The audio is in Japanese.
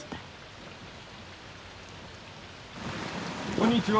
こんにちは。